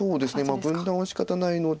分断はしかたないので。